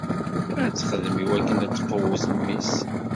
Ad texdem iwakken ad tqewwet mmi-s.